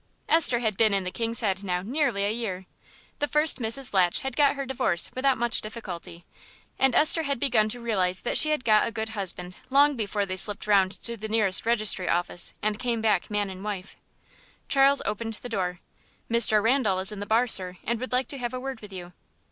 Esther had been in the "King's Head" now nearly a year. The first Mrs. Latch had got her divorce without much difficulty; and Esther had begun to realise that she had got a good husband long before they slipped round to the nearest registry office and came back man and wife. Charles opened the door. "Mr. Randal is in the bar, sir, and would like to have a word with you."